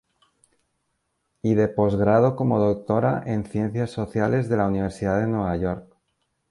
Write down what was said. Y de postgrado como doctora en Ciencias Sociales de la Universidad de Nueva York.